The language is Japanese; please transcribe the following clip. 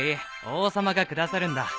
王様が下さるんだ。